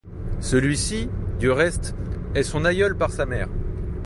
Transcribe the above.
Celui-ci, du reste, est son aïeul par sa mère.